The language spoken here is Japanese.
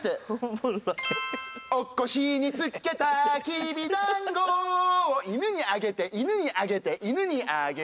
「お腰につけた黍団子」を犬にあげて犬にあげて犬にあげる。